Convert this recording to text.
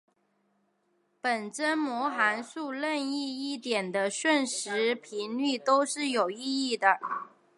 本征模函数任意一点的瞬时频率都是有意义的。